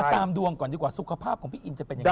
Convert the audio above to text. ตามดวงก่อนดีกว่าสุขภาพของพี่อินจะเป็นยังไง